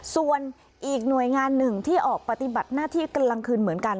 ส่วนอีกหน่วยงานหนึ่งที่ออกปฏิบัติหน้าที่กำลังคืนเหมือนกัน